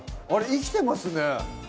生きてますね